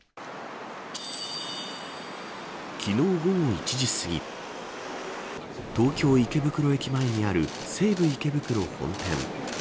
昨日午後１時すぎ東京池袋駅前にある西武池袋本店。